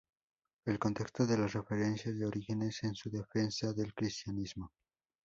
El contexto de las referencias de Orígenes es su defensa del cristianismo.